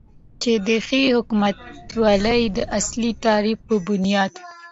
چې د ښې حکومتولې داصلي تعریف په بنیاد